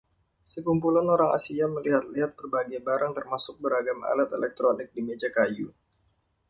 Sekumpulan orang asia melihat-lihat berbagai barang termasuk beragam alat elektronik di meja kayu.